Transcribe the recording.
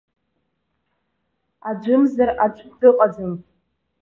Аӡәымзар аӡә дыҟаӡам.